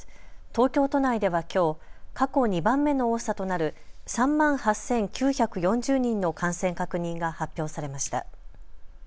東京都内ではきょう過去２番目の多さとなる３万８９４０人の感染確認が発表されました。